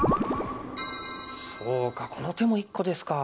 そうかこの手も１個ですか。